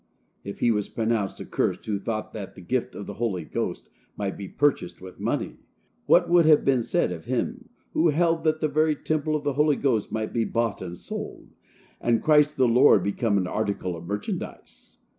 If he was pronounced accursed who thought that the gift of the Holy Ghost might be purchased with money, what would have been said of him who held that the very temple of the Holy Ghost might be bought and sold, and Christ the Lord become an article of merchandise?